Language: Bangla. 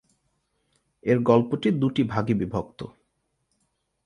এর গল্পটি দুটি ভাগে বিভক্ত।